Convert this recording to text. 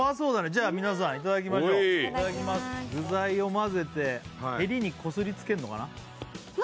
じゃあ皆さんいただきましょういただきます具材を混ぜてヘリにこすりつけんのかな？